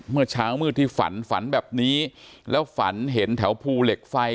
เมื่อเช้ามืดที่ฝันฝันแบบนี้แล้วฝันเห็นแถวภูเหล็กไฟ